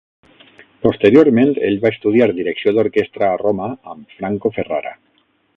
Posteriorment ell va estudiar direcció d'orquestra a Roma amb Franco Ferrara.